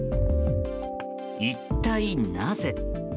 一体なぜ。